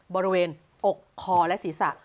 บริเวณอกคอและศีรษะ